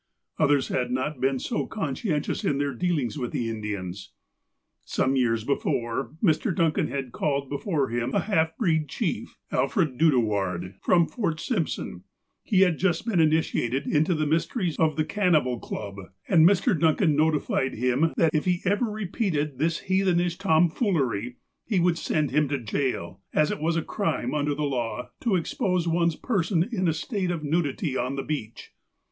Others had not been so conscientious in their dealings with the Indians. Some years before, Mr. Duncan had called before him a half breed chief, Alfred Dudoward, from Fort Simpson. He had just been initiated into the mysteries of the canni bal club, and Mr. Duncan notified him that if he ever re peated this heathenish tomfoolery, he would send him to jail, as it was a crime under the law to expose one's per son in a state of nudity on the beach.